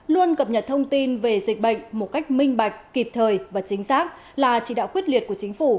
luôn cập nhật thông tin về dịch bệnh một cách minh bạch kịp thời và chính xác là chỉ đạo quyết liệt của chính phủ